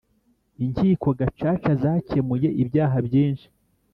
inkiko gacaca zacyemuye ibyaha byinshi